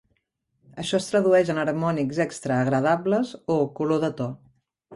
Això és tradueix en harmònics extra agradables o "color de to".